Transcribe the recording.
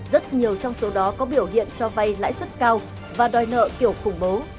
rất nhiều trong số đó có biểu hiện cho vay lãi suất cao và đòi nợ kiểu khủng bố